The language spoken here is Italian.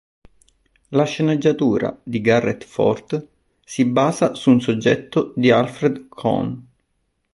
La sceneggiatura di Garrett Fort si basa su un soggetto di Alfred Cohn.